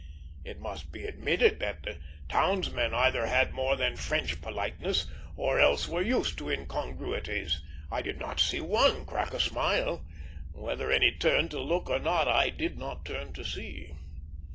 It must be admitted that the townsmen either had more than French politeness, or else were used to incongruities. I did not see one crack a smile; whether any turned to look or not, I did not turn to see.